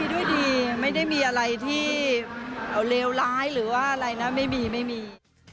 ด้วยดีไม่ได้มีอะไรที่เลวร้ายหรือว่าอะไรนะไม่มีไม่มี